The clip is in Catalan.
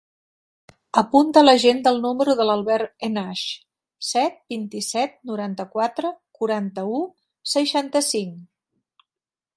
Apunta a l'agenda el número de l'Albert Enache: set, vint-i-set, noranta-quatre, quaranta-u, seixanta-cinc.